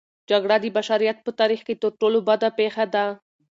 جګړه د بشریت په تاریخ کې تر ټولو بده پېښه ده.